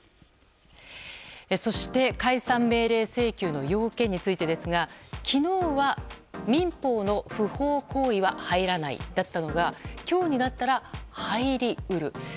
そして、解散命令請求の要件についてですが昨日は民法の不法行為は入らないだったのが今日になったら、入り得る。